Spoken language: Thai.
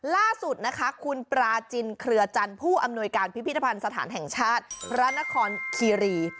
ล่าสุดนะคะคุณปราจินเครือจันทร์ผู้อำนวยการพิพิธภัณฑ์สถานแห่งชาติพระนครคีรี